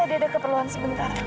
tadi ada keperluan sebentar